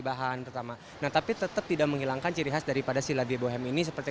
bahan pertama nah tapi tetap tidak menghilangkan ciri khas daripada silabi bohem ini seperti